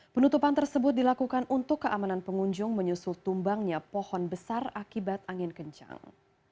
penutupan tersebut dilakukan untuk keamanan pengunjung menyusul tumbangnya pohon besar akibat angin kencang